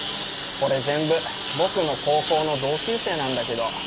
これ全部僕の高校の同級生なんだけど。